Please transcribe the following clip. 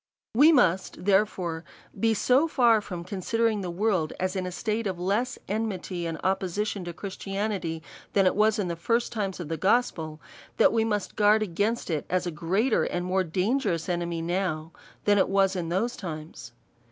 We must, therefore, be so far from considering the world as in a state of less enmity and opposition to Christianity, than it was in the first times of the gos pel, that Ave must guard against it as a greater and more dangerous enemy now, than it was in those times.